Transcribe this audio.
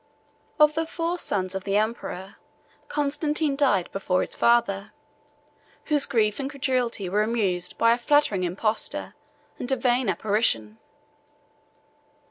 Of the four sons of the emperor, Constantine died before his father, whose grief and credulity were amused by a flattering impostor and a vain apparition.